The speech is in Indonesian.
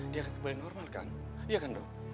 dia akan kembali normal kan iya kan dok